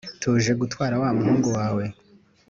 tuje gutwara wa muhungu wawe.